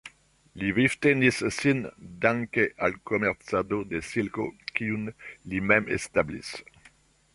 Li vivtenis sin danke al komercado de silko kiun li mem establis.